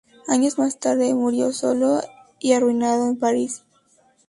Años más tarde, murió sólo y arruinado en París.